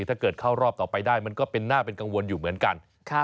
ที่จะเป็นรอบต่อไปนั่นก็หน้าเป็นกังวลอยู่เหมือนกัน